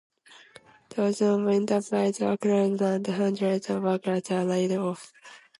Dozens of enterprises were closed and hundreds of workers were laid off.